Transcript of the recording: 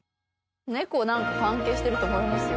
ネコなんか関係してると思いますよ。